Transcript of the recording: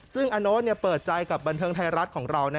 ซึ่งอาโน๊ตเปิดใจกับบันเทิงไทยรัฐของเรา